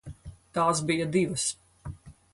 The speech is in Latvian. Tās bija divas.